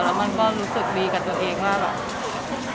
แล้วมันก็รู้สึกดีกับตัวเองว่าแบบ